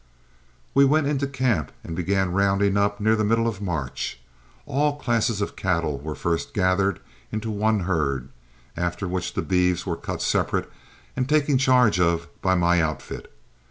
We went into camp and began rounding up near the middle of March. All classes of cattle were first gathered into one herd, after which the beeves were cut separate and taken charge of by my outfit.